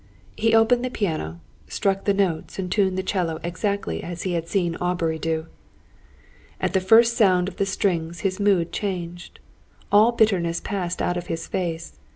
He opened the piano, struck the notes, and tuned the 'cello exactly as he had seen Aubrey do. At the first sound of the strings his mood changed. All bitterness passed out of his face.